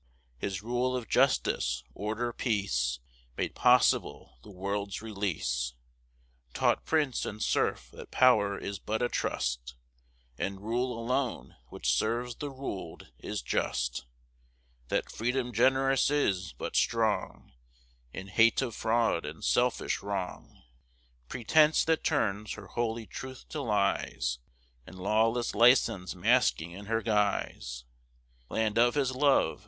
His rule of justice, order, peace, Made possible the world's release; Taught prince and serf that power is but a trust, And rule alone, which serves the ruled, is just; That Freedom generous is, but strong In hate of fraud and selfish wrong, Pretence that turns her holy truth to lies, And lawless license masking in her guise. Land of his love!